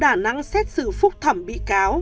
đà nẵng xét xử phúc thẩm bị cáo